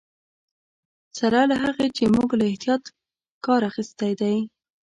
سره له هغه چې موږ له احتیاط کار اخیستی دی.